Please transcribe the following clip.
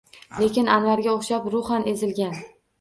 Lekin Anvarga o’xshab ruhan ezilgan